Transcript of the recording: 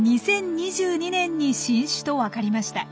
２０２２年に新種と分かりました。